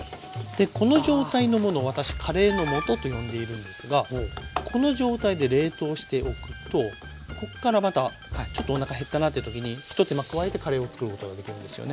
この状態のものを私「カレーの素」と呼んでいるんですがこの状態で冷凍しておくとこっからまたちょっとおなか減ったなっていう時にひと手間加えてカレーをつくることができるんですよね。